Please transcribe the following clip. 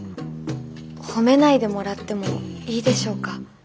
褒めないでもらってもいいでしょうか。